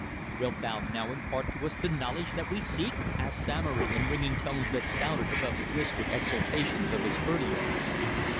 "Wilt thou now impart to us the knowledge that we seek?" asked Samory in ringing tones that sounded above the whispered exultations of his courtiers.